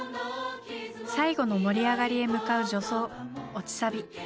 最後の盛り上がりへ向かう助走落ちサビ。